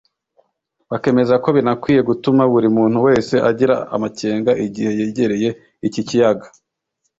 bakemeza ko binakwiye gutuma buri muntu wese agira amakenga igihe yegereye iki kiyaga